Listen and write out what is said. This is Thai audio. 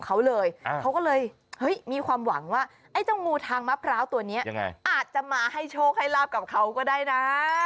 อาจจะมาให้โชคให้ราบกับเค้าก็ได้นะ